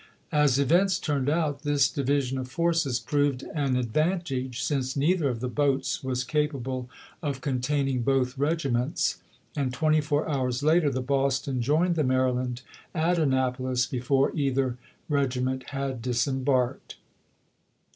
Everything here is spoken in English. As events turned out, this division of forces proved an advantage, since neither of the boats was capable of containing both regiments; and twenty four hours later the Boston joined the Maryland at Annapolis before either regiment had disembarked.